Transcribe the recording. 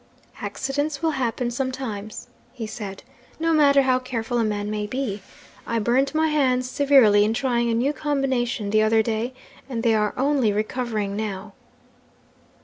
"Accidents will happen sometimes," he said, "no matter how careful a man may be. I burnt my hands severely in trying a new combination the other day, and they are only recovering now."